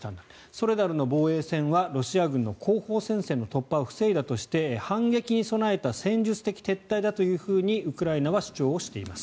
ソレダルの防衛線はロシア軍の後方戦線の突破を防いだとして反撃に備えた戦術的撤退だというふうにウクライナは主張しています。